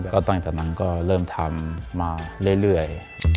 ก็ตั้งแต่นั้นก็เริ่มทำมาเรื่อย